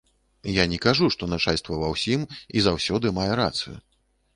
Я не кажу, што начальства ва ўсім і заўсёды мае рацыю.